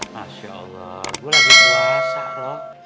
masya allah gue lagi puasa roh